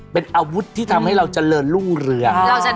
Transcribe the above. เป็นอาวุธที่ทำให้เราเจริญรุ่งเรือง